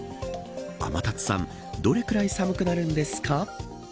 天達さんどれぐらい寒くなるんですか。